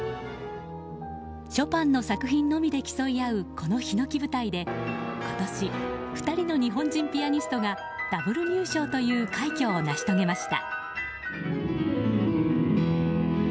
ショパンの作品のみで競い合うこの、ひのき舞台で今年、２人の日本人ピアニストがダブル入賞という快挙を成し遂げました。